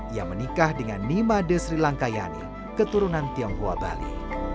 ia menikah dengan nima de sri lankayani keturunan tionghoa bali